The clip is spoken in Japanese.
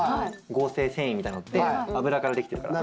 合成繊維みたいなものって油から出来ているから。